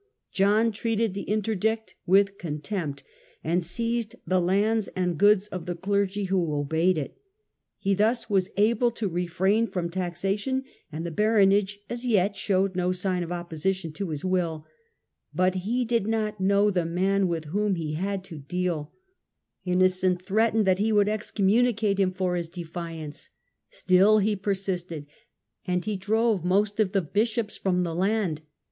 John treated the Interdict with contempt, and seized the lands and goods of the clergy who obeyed it. He thus was able to refrain from taxation, and the baronage as yet showed no sign of opposition to his will But he did not know the man with whom he had to deal Innocent threatened that he would excommunicate him 54 JOHN BECOMES THE POPE'S MAN. for his defiance. Still he persisted, and he drove most of the bishops from the land.